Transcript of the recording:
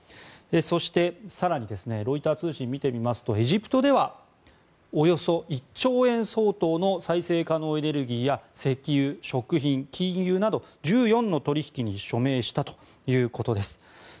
そして、更にロイター通信を見てみますとエジプトではおよそ１兆円相当の再生可能エネルギーや石油、食品、金融など１４の取引に署名したということです。